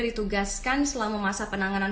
ditugaskan selama masa penanganan